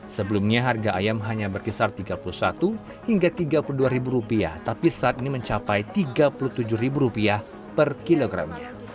sebelumnya harga ayam hanya berkisar rp tiga puluh satu hingga rp tiga puluh dua tapi saat ini mencapai rp tiga puluh tujuh per kilogramnya